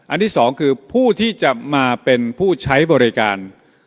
ที่สองคือผู้ที่จะมาเป็นผู้ใช้บริการ